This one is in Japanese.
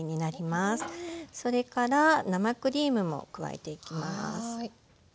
それから生クリームも加えていきます。